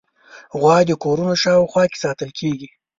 غوا د کورونو شاوخوا کې ساتل کېږي.